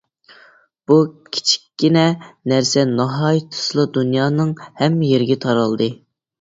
بۇ كىچىككىنە نەرسە ناھايىتى تېزلا دۇنيانىڭ ھەممە يېرىگە تارالدى.